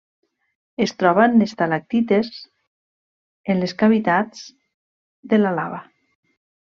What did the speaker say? Es troba en estalactites en les cavitats de la lava.